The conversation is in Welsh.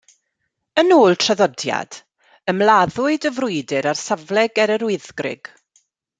Yn ôl traddodiad, ymladdwyd y frwydr ar safle ger Yr Wyddgrug.